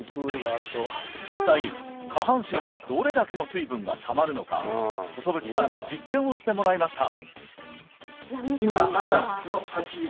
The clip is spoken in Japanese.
実際下半身にどれだけの水分がたまるのか細渕さんに実験をしてもらいました